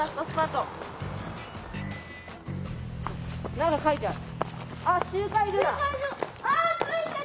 何か書いてある。